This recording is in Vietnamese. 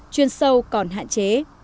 chuyên sâu còn hạn chế